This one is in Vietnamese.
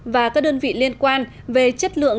và các đơn vị liên quan về chất lượng